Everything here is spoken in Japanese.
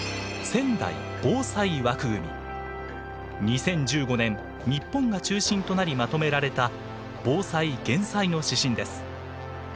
２０１５年日本が中心となりまとめられた防災・減災の指針です。